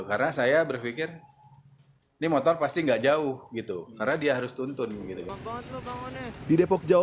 karena saya berpikir ini motor pasti enggak jauh gitu karena dia harus tuntun gitu di depok jawa